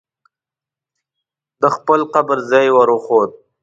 د خپل قبر ځای یې ور وښود.